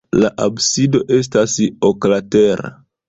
La absido estas oklatera.